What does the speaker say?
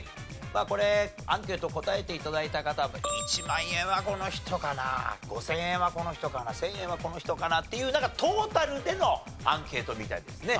これアンケート答えて頂いた方一万円はこの人かな五千円はこの人かな千円はこの人かなっていうトータルでのアンケートみたいですね。